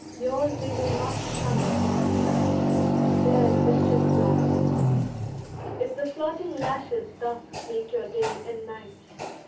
Yours they will not shun or seek, There the mischief lies. If the flirting lashes thus Make your day and night.